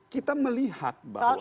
kita melihat bahwa